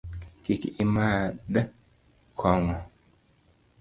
Kik imadh kong'o.